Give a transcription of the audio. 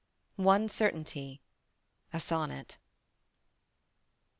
ONE CERTAINTY. SONNET.